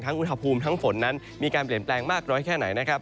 อุณหภูมิทั้งฝนนั้นมีการเปลี่ยนแปลงมากน้อยแค่ไหนนะครับ